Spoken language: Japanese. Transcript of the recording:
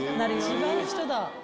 違う人だ！